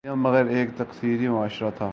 مدینہ مگر ایک تکثیری معاشرہ تھا۔